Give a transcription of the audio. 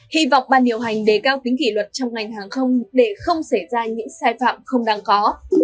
hy vọng ban điều hành đề cao tính kỷ luật trong ngành hàng không để không xảy ra những sai phạm không đáng có